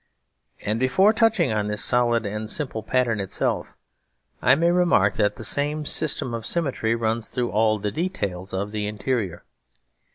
And before touching on this solid and simple pattern itself, I may remark that the same system of symmetry runs through all the details of the interior.